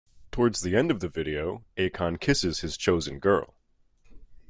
Towards the end of the video, Akon kisses his chosen girl.